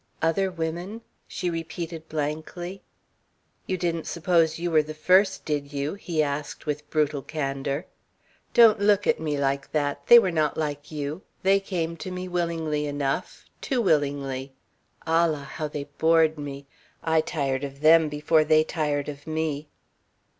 "Other women?" she repeated blankly. "You didn't suppose you were the first, did you?" he asked with brutal candour. "Don't look at me like that. They were not like you, they came to me willingly enough too willingly. Allah! How they bored me! I tired of them before they tired of me."